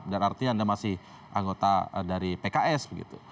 dan artinya anda masih anggota dari pks